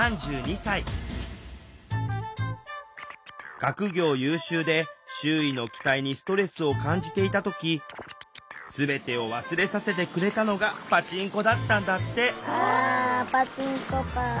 学業優秀で周囲の期待にストレスを感じていた時全てを忘れさせてくれたのがあパチンコか。